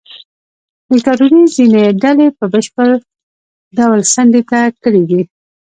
دیکتاتورۍ ځینې ډلې په بشپړ ډول څنډې ته کړې دي.